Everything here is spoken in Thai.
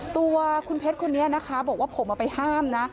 ตัวคุณเพชรคนนี้นะคะบอกว่าผมเอาไปห้ามนะ